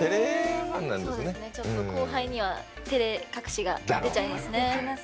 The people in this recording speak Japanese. ちょっと後輩にはてれ隠しが出ちゃいますね。